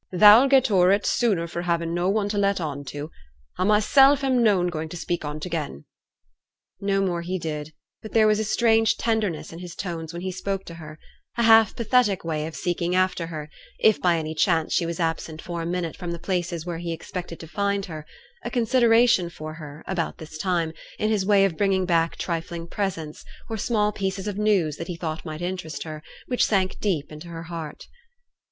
Thou'll get o'er it sooner for havin' no one to let on to. A myself am noane going to speak on't again.' No more he did; but there was a strange tenderness in his tones when he spoke to her; a half pathetic way of seeking after her, if by any chance she was absent for a minute from the places where he expected to find her; a consideration for her, about this time, in his way of bringing back trifling presents, or small pieces of news that he thought might interest her, which sank deep into her heart.